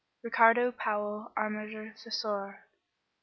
Richardo Powell Armiger Thesaurar."